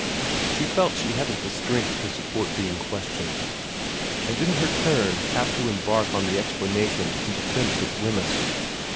She felt she hadn't the strength to support being questioned, and in her turn have to embark on the explanation and defence of Wemyss.